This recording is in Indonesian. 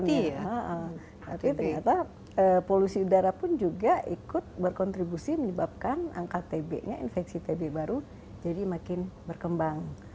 tapi ternyata polusi udara pun juga ikut berkontribusi menyebabkan angka tb nya infeksi tb baru jadi makin berkembang